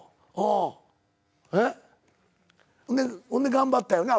頑張ったよな